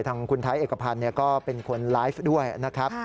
ทางคุณไทยเอกพันธ์ก็เป็นคนไลฟ์ด้วยนะครับ